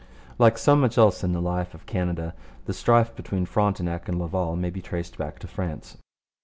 Like so much else in the life of Canada, the strife between Frontenac and Laval may be traced back to France.